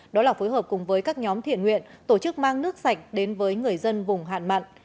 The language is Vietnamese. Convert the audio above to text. đó là phối hợp cùng với các nhóm thiện nguyện tổ chức mang nước sạch đến với người dân vùng hạn mặn